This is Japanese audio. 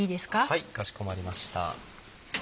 はいかしこまりました。